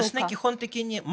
基本的に。